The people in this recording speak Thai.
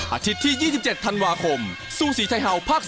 อาทิตย์ที่๒๗ธันวาคมซูสีไทยเห่าภาค๔